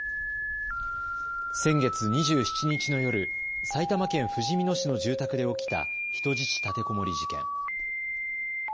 先月２７日の夜、埼玉県ふじみ野市の住宅で起きた人質立てこもり事件。